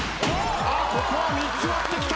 ここは３つ割ってきた！